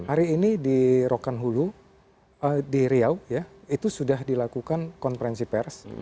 hari ini di rokanhulu di riau itu sudah dilakukan konferensi pers